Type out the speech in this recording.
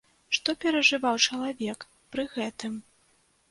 Што перажываў чалавек пры гэтым?